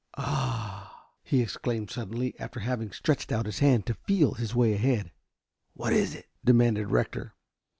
"Ah!" he exclaimed suddenly, after having stretched out his hand to feel his way ahead. "What is it?" demanded Rector.